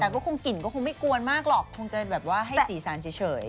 แต่ก็คงกลิ่นก็คงไม่กวนมากหรอกคงจะแบบว่าให้สีสันเฉย